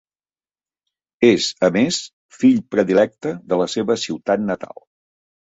És, a més, fill predilecte de la seva ciutat natal.